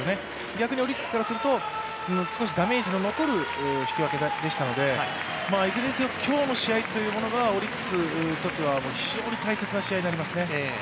逆にオリックスからすると少しダメージの残る引き分けでしたのでいずれにせよ、今日の試合がオリックスにとっては非常に大切な試合になりますね。